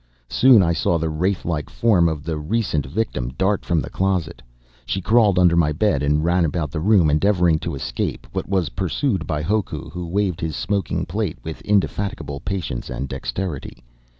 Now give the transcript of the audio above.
Soon, I saw the wraith like form of the recent victim dart from the closet. She crawled under my bed and ran about the room, endeavoring to escape, but was pursued by Hoku, who waved his smoking plate with indefatigable patience and dexterity.